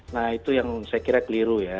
nah itu yang saya kira keliru ya